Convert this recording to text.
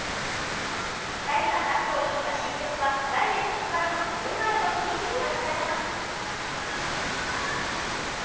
２人がタッグを組んだ新曲は来月発売のニューアルバムに収録されます。